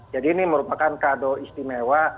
jadi ini merupakan kado istimewa